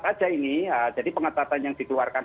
saja ini jadi pengetatan yang dikeluarkan